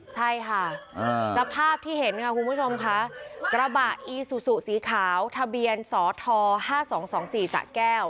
ใช่ค่ะสภาพที่เห็นค่ะคุณผู้ชมค่ะกระบะอีซูซูสีขาวทะเบียนสท๕๒๒๔สะแก้ว